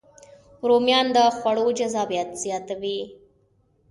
رومیان د خوړو جذابیت زیاتوي